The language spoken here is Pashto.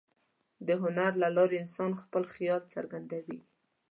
د هنر له لارې انسان خپل خیال څرګندوي.